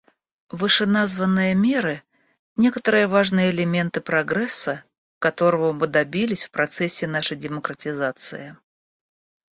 Вышеназванные меры — некоторые важные элементы прогресса, которого мы добились в процессе нашей демократизации.